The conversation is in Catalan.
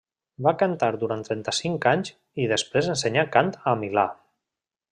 Va cantar durant trenta-cinc anys i després ensenyà cant a Milà.